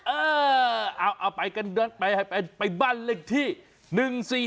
เออเอาไปกันด้วยไปบ้านเล็กที่